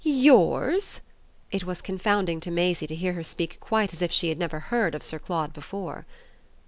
"Yours?" It was confounding to Maisie to hear her speak quite as if she had never heard of Sir Claude before.